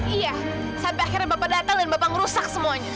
iya sampai akhirnya bapak datang dan bapak ngerusak semuanya